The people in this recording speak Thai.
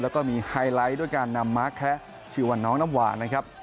แล้วก็มีไฮไลท์ด้วยการนำม้าแคะชื่อว่าน้องน้ำหวานนะครับ